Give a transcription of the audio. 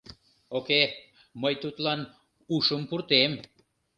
Уке, мый тудлан ушым пуртем.